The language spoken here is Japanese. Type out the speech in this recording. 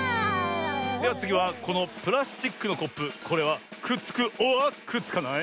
ではつぎはこのプラスチックのコップこれはくっつくｏｒくっつかない？